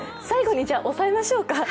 最後に押さえましょうか。